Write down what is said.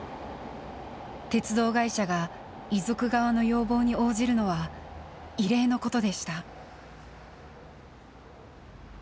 鉄道会社が遺族側の要望に応じるのは異例のことでした。